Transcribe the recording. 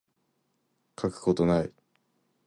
書くことない